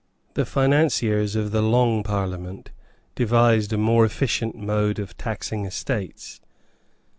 The financiers of the Long Parliament devised a more efficient mode of taxing estates.